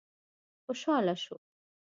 خوشاله شو.